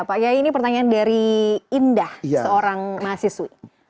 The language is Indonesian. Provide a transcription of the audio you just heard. pak yai ini pertanyaan dari indah seorang mahasiswi